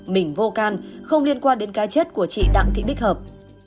mình vô can không liên quan đến cá chết của chị đặng thị bích hợp